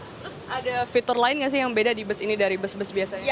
terus ada fitur lain nggak sih yang beda di bus ini dari bus bus biasanya